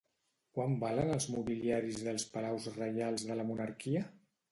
Quan valen els mobiliaris dels Palaus Reials de la monarquia?